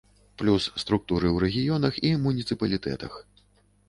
Плюс структуры ў рэгіёнах і муніцыпалітэтах.